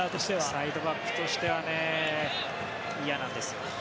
サイドバックとしてはね嫌なんです。